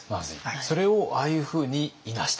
それをああいうふうにいなした。